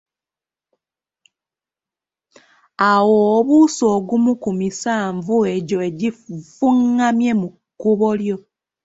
Awo obuuse ogumu ku misanvu egyo egifungamye mu kkubo lyo.